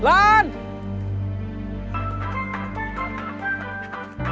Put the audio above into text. oke dia phone aja